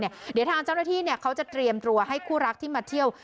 เดี๋ยวทางเจ้าหน้าที่เขาจะเตรียมตัวให้คู่รักที่มาเที่ยว